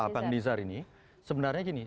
bang nizar ini sebenarnya gini